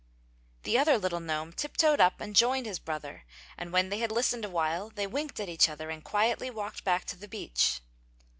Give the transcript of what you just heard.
The other little gnome tip toed up and joined his brother and when they had listened a while they winked at each other and quietly walked back to the beach.